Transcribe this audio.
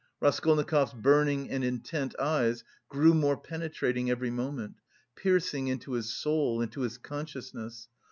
Raskolnikov's burning and intent eyes grew more penetrating every moment, piercing into his soul, into his consciousness.